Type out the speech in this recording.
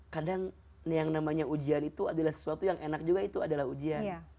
kadang yang namanya ujian itu adalah sesuatu yang enak juga itu adalah ujian